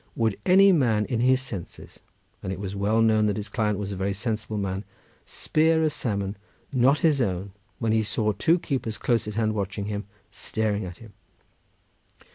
Would any man in his senses—and it was well known that his client was a very sensible man—spear a salmon not his own, when he saw two keepers close at hand watching him—staring at him?